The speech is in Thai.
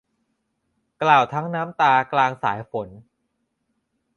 กล่าวทั้งน้ำตากลางสายฝน